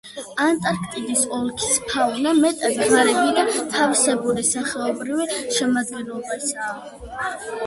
ანტარქტიკის ოლქის ფაუნა მეტად ღარიბი და თავისებური სახეობრივი შემადგენლობისაა.